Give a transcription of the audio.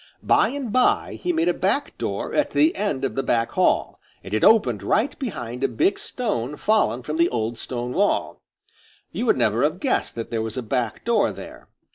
By and by he made a back door at the end of the back hall, and it opened right behind a big stone fallen from the old stone wall. You would never have guessed that there was a back door there.